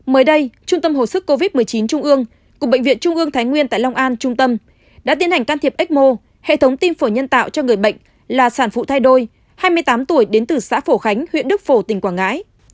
mới đây trung tâm hồi sức covid một mươi chín trung ương cục bệnh viện trung ương thái nguyên tại long an trung tâm đã tiến hành can thiệp ecmo hệ thống tim phổi nhân tạo cho người bệnh là sản phụ thai đôi hai mươi tám tuổi đến từ xã phổ khánh huyện đức phổ tỉnh quảng ngãi